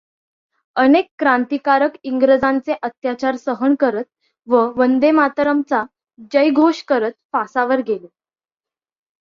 अनेक क्रांतिकारक इंग्रजांचे अत्याचार सहन करत व वंदेमातरमचा जयघोष करत फासावर गेले.